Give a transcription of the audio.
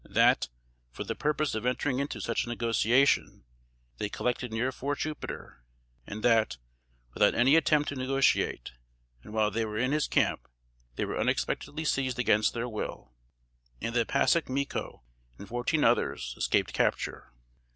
That, for the purpose of entering into such a negotiation, they collected near Fort Jupiter; and that, without any attempt to negotiate, and while they were in his camp, they were unexpectedly seized against their will; and that Passac Micco, and fourteen others, escaped capture.